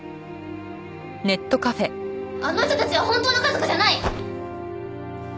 あの人たちは本当の家族じゃない！